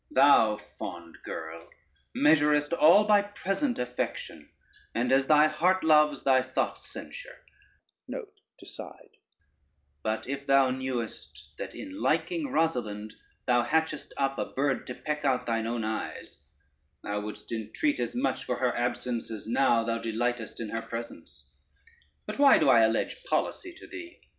Thou, fond girl, measurest all by present affection, and as thy heart loves, thy thoughts censure; but if thou knowest that in liking Rosalynde thou hatchest up a bird to peck out thine own eyes, thou wouldst entreat as much for her absence as now thou delightest in her presence. But why do I allege policy to thee?